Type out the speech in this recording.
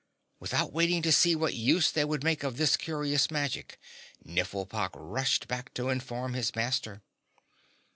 Without waiting to see what use they would make of this curious magic, Nifflepok rushed back to inform his master.